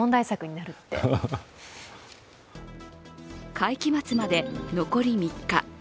会期末まで残り３日。